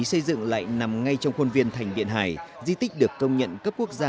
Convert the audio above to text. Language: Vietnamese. xây dựng lại nằm ngay trong khuôn viên thành điện hải di tích được công nhận cấp quốc gia